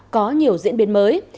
có nhiều diễn biến mới